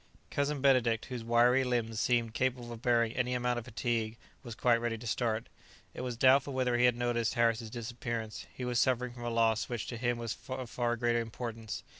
Cousin Benedict, whose wiry limbs seemed capable of bearing any amount of fatigue, was quite ready to start. It was doubtful whether he had noticed Harris's disappearance; he was suffering from a loss which to him was of far greater importance.